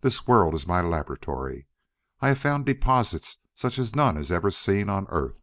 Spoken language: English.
This world is my laboratory; I have found deposits such as none has ever seen on Earth.